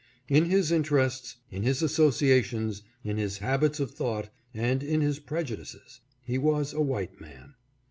In his interests, in his associations, in his habits of thought and in his prejudices, he was a white man.